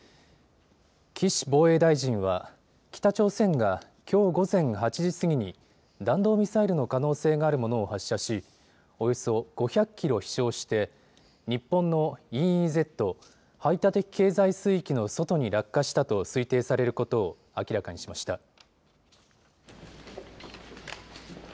岸防衛大臣は北朝鮮がきょう午前８時過ぎに弾道ミサイルの可能性があるものを発射しおよそ５００キロ飛しょうして日本のＥＥＺ・排他的経済水域の外に落下したと推定されることを明らかにしました。